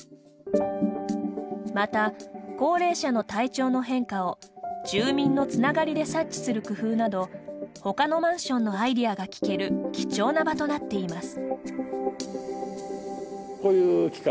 また、高齢者の体調の変化を住民のつながりで察知する工夫など他のマンションのアイデアが聞ける、貴重な場となっています。